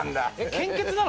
献血なの？